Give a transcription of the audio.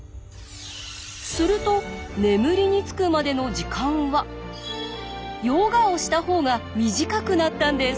すると眠りにつくまでの時間はヨガをした方が短くなったんです。